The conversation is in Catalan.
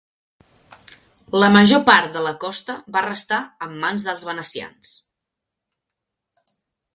La major part de la costa va restar en mans dels venecians.